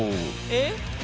えっ！